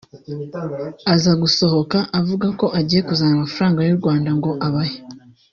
aza gusohoka avuga ko agiye kuzana amafaranga y’u Rwanda ngo abahe